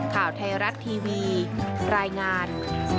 ข่าวไทยรัฐทีวีรายงาน